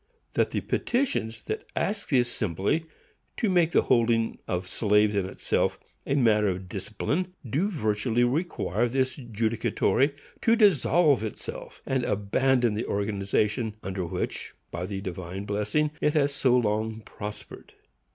That the petitions that ask the Assembly to make the holding of slaves in itself a matter of discipline do virtually require this judicatory to dissolve itself, and abandon the organization under which, by the divine blessing, it has so long prospered.